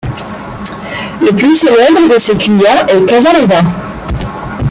Le plus célèbre de ces clients est Casanova.